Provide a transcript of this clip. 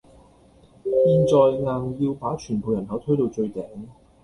現在硬要把全部人口推到最頂